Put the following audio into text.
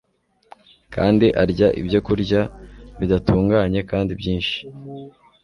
kandi arya ibyokurya bidatunganye kandi byinshi